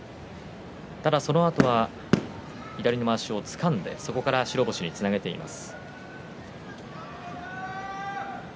ただそのあとは左のまわしをつかんでそこから白星につなげています。